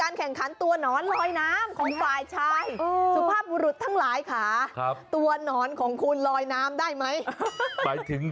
อ๋อยาดมยาลมยามองกัน